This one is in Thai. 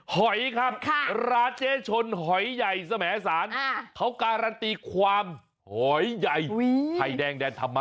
หอยครับร้านเจ๊ชนหอยใหญ่สมสารเขาการันตีความหอยใหญ่ไข่แดงแดนธรรมะ